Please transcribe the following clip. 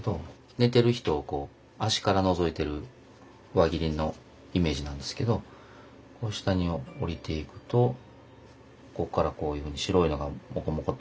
寝てる人を足からのぞいてる輪切りのイメージなんですけど下におりていくとこっからこういうふうに白いのがモコモコと。